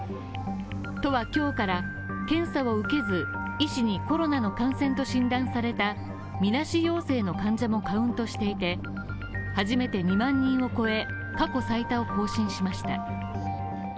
都は今日から検査は受けず、医師にコロナの感染と診断されたみなし陽性の患者もカウントしていて、初めて２万人を超え、過去最多を更新しました。